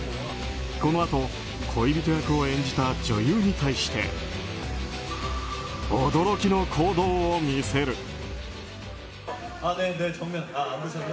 このあと、恋人役を演じた女優に対して驚きの行動を見せる。